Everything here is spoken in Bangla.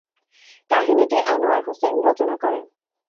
কাহিনীটি আনোয়ার হুসেইন রচনা করেন।